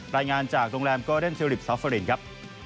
รายงานจากโรงแรมโกเดนเทลิฟซาฟเฟอรินครับ